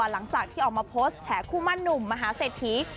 หลังจากที่ออกมาโพสต์แฉคู่มั่นหนุ่มมหาเศรษฐี